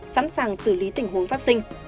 sẵn sàng xử lý tình huống vắc xinh